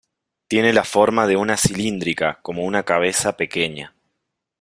Tiene la forma de una cilíndrica, como una cabeza pequeña.